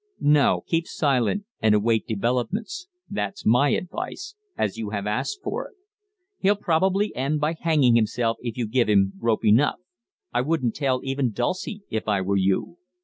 No, keep silent and await developments, that's my advice, as you have asked for it. He'll probably end by hanging himself if you give him rope enough. I wouldn't tell even Dulcie, if I were you."